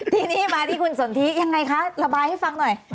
ที่นี่มาที่คุณสนทิยังไงคะระบายให้ฟังหน่อย